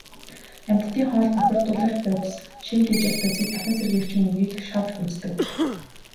Амьтдын хоол, бохирдуулагч бодис, шим тэжээлт бодисыг дахин сэргээгчийн үүргийг шавж гүйцэтгэдэг.